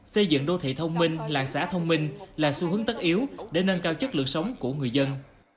xây dựng đô thị thông minh làng xã thông minh là xu hướng tất yếu để nâng cao chất lượng sống của người dân